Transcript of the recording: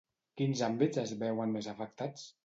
Quins àmbits es veuen més afectats?